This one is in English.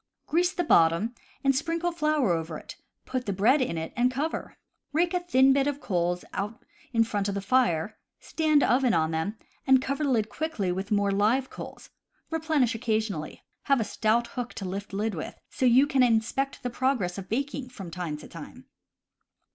Grease the bottom and sprinkle flour over it, put the bread in it, and cover. Rake a thin bed of coals out in front of the fire, stand oven on them, and cover the lid thickly with more live coals. Replenish occasionally. Have a stout hook to lift lid with, so you can inspect the progress of baking from time to time.